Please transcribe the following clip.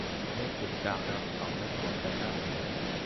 และจุดด่างดำฝังลึกบนใบหน้า